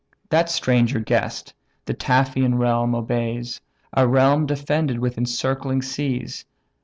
That stranger guest the Taphian realm obeys, A realm defended with encircling seas.